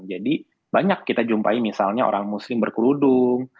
jadi banyak kita jumpai misalnya orang muslim berkerudung